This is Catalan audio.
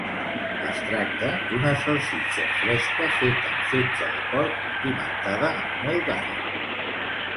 Es tracta d'una salsitxa fresca feta amb fetge de porc condimentada amb molt d'all.